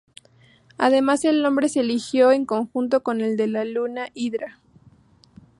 Además el nombre se eligió en conjunto con el de la luna Hidra.